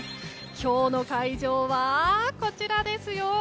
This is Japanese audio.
今日の会場はこちらですよ！